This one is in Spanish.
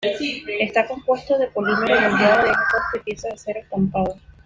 Está compuesta de polímero moldeado de bajo costo y piezas de acero estampado.